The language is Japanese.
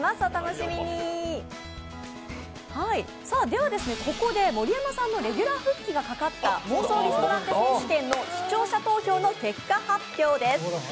ではここで盛山さんのレギュラー復帰がかかった妄想リストランテ選手権の視聴者投票の結果発表です。